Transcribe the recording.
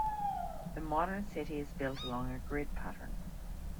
The modern city is built along a grid pattern.